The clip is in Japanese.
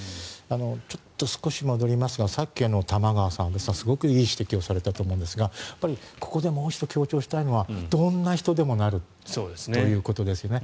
ちょっと少し戻りますがさっき玉川さんがすごくいい指摘をされたと思うんですがここでもう一度強調したいのはどんな人でもなるということですよね。